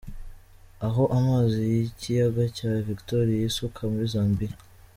Aho amazi y’ikiyaga cya Victoria yisuka muri Zambia.